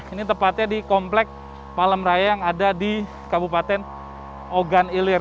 ini tepatnya di komplek palemraya yang ada di kabupaten ogan ilir